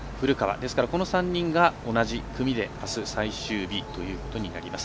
ですからこの３人が同じ組であす、最終日ということになります。